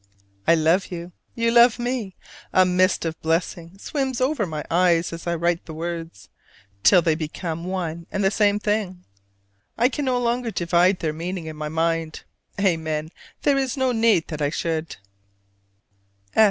I love you: you love me: a mist of blessing swims over my eyes as I write the words, till they become one and the same thing: I can no longer divide their meaning in my mind. Amen: there is no need that I should.